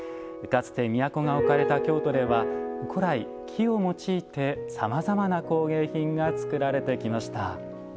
かつて都が置かれた京都では古来、木を用いてさまざまな工芸品が作られてきました。